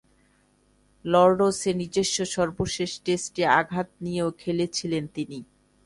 লর্ডসে নিজস্ব সর্বশেষ টেস্টে আঘাত নিয়েও খেলেছিলেন তিনি।